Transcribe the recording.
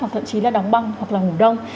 hoặc thậm chí là đóng băng hoặc là ngủ đông